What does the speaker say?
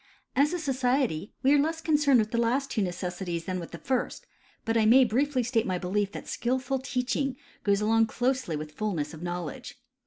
As a society, we are less concerned with the last two necessities than with the first, but I may briefly state my belief that skilful teacliing goes along closely with fullness of knowledge.